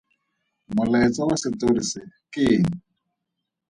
Molaetsa wa setori se ke eng?